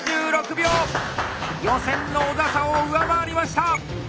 予選の小佐々を上回りました！